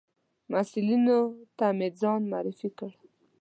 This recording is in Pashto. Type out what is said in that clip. محصلینو ته مې ځان معرفي کړ.